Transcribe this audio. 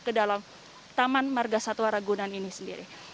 mereka bisa masuk ke taman margasatwa ragunan ini sendiri